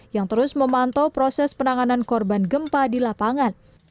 yang terus memantau proses penanganan korban gempa di lapangan